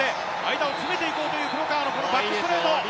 間を詰めていこうという黒川のこのバックストレート。